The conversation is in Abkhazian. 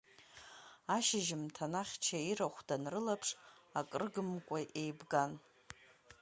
Ашьыжьымҭан ахьча ирахә данрылаԥш, акы рыгымкәа еибган.